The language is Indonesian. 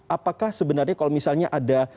apakah sebenarnya kalau misalnya ada